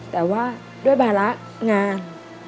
แต่ว่าด้วยภาระงาน